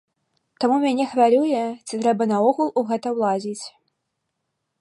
Таму мяне хвалюе, ці трэба наогул у гэта ўлазіць?